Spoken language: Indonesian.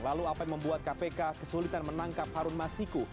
lalu apa yang membuat kpk kesulitan menangkap harun masiku